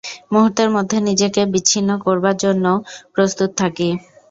মুহূর্তের মধ্যে নিজেকে বিচ্ছিন্ন করবার জন্যও প্রস্তুত থাকি।